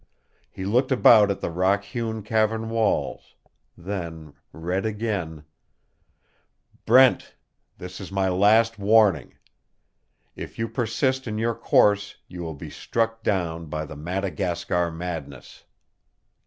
He looked about at the rock hewn cavern walls then read again: BRENT This is my last warning. If you persist in your course you will be struck down by the Madagascar madness.